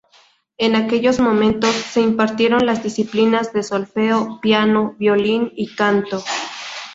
En aquellos momentos se impartieron las disciplinas de Solfeo, Piano, Violín y Canto.